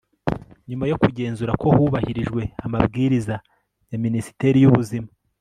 nyuma yo kugenzura ko hubahirijwe amabwiriza ya minisiteri y'ubuzima